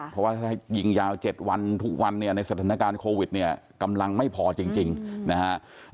เพราะว่าถ้ายิงยาว๗วันทุกวันเนี่ยในสถานการณ์โควิดเนี่ยกำลังไม่พอจริงนะฮะ